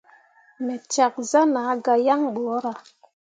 Me cak zah na gah yaŋ ɓorah.